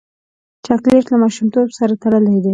چاکلېټ له ماشومتوب سره تړلی دی.